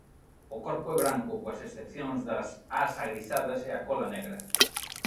O corpo é branco coas excepcións das as agrisadas e a cola negra.